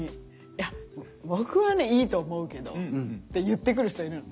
「いや僕はねいいと思うけど」って言ってくる人いるの。